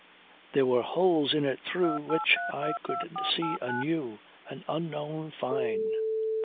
There were holes in it through which I could see a new, an unknown Fyne.